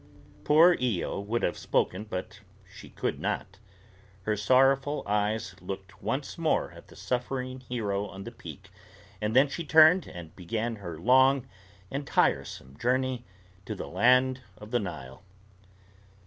Poor Io would have spoken, but she could not. Her sorrowful eyes looked once more at the suffering hero on the peak, and then she turned and began her long and tiresome journey to the land of the Nile.